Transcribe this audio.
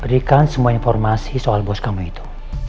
berikan semua informasi soal bos kamu itu